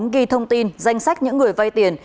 ghi thông tin danh sách những người vai tiền